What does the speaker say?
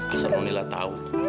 asal non lila tau